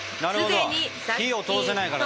なるほど火を通せないからね。